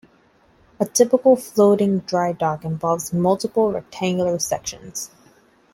A typical floating dry dock involves multiple rectangular sections.